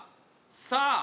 さあ。